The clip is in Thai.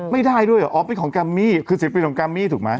ไม่ได้ด้วยเหรออ๋อเป็นของแกมมี่คือศิลปินของแกมมี่ถูกไหม